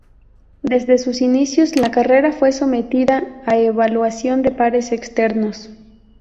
Desde sus inicios la carrera fue sometida a evaluación de pares externos.